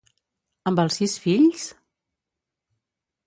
Amb els sis fills?